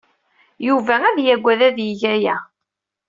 Yuba ad yaggad ad yeg aya.